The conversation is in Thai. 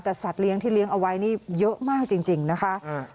แต่สัตว์เลี้ยงที่เลี้ยงเอาไว้นี่เยอะมากจริงนะคะ